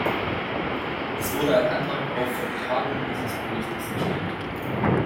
Es wurde ein Antrag auf Vertagung dieses Berichtes gestellt.